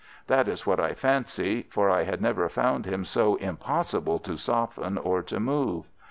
That is what I fancy, for I had never found him so impossible to soften or to move.